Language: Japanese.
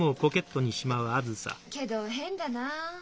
けど変だなあ。